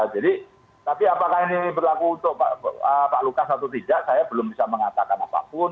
jadi tapi apakah ini berlaku untuk pak lukas atau tidak saya belum bisa mengatakan apapun